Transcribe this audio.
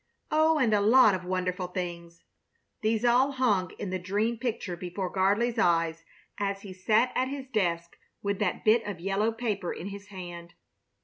Oh, and a lot of wonderful things! These all hung in the dream picture before Gardley's eyes as he sat at his desk with that bit of yellow paper in his hand.